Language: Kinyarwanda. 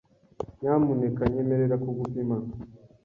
Nyamuneka nyemerera kugupima .